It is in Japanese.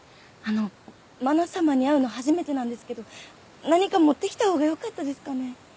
あのまな様に会うの初めてなんですけど何か持ってきた方がよかったですかね。